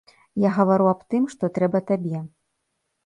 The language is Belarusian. Я гавару аб тым, што трэба табе.